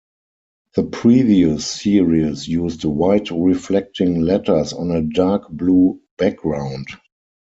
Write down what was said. The previous series used white reflecting letters on a dark-blue background.